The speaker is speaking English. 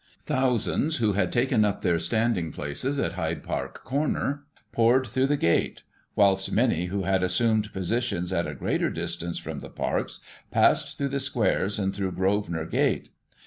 Thousands who had taken up their stcinding places at Hyde Park Comer, poured through the gate ; whilst many who had assumed positions at a greater distance from the Parks, passed through the squares and through Grosvenor Gate.